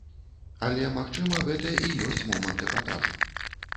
Але, магчыма, гэта і ёсць момант эпатажу.